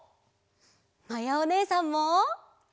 まやおねえさんも！